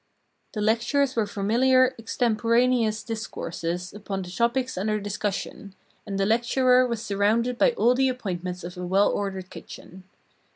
The lectures were familiar, extemporaneous discourses upon the topics under discussion, and the lecturer was surrounded by all the appointments of a well ordered kitchen.